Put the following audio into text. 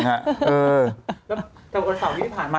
กับตัวสาวที่ผ่านมา